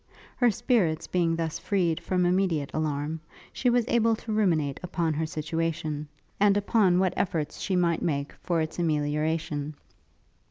Her spirits being thus freed from immediate alarm, she was able to ruminate upon her situation, and upon what efforts she might make for its amelioration.